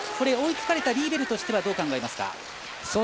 追いつかれたリーベルとしてはどう考えますか？